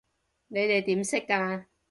你哋點識㗎？